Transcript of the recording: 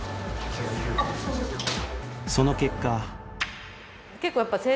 その結果